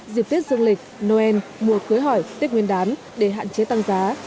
dịp tiết dương lịch noel mùa cưới hỏi tiết nguyên đám để hạn chế tăng giá